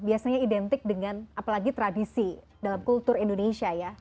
biasanya identik dengan apalagi tradisi dalam kultur indonesia ya